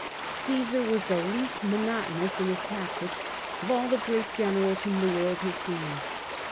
Gmsar was the least monotonous in his tactics of all the great generals whom the world has seen.